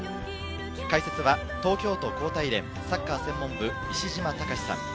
解説は東京都高体連サッカー専門部・石島崇さん。